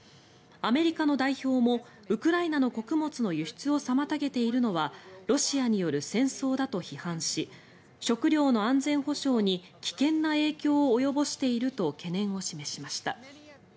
アメリカの代表もウクライナの穀物の輸出を妨げているのはロシアによる戦争だと批判し食糧の安全保障に危険な影響を及ぼしていると懸念を示しました。